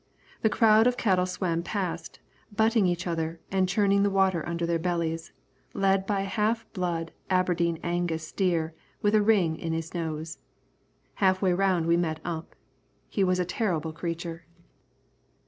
The crowd of cattle swam past, butting each other, and churning the water under their bellies, led by a half blood Aberdeen Angus steer with a ring in his nose. Half way around we met Ump. He was a terrible creature.